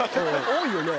多いよね。